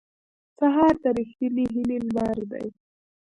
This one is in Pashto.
سهار د رښتینې هیلې لمر دی.